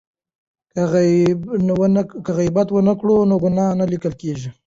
که غیبت ونه کړو نو ګناه نه لیکل کیږي.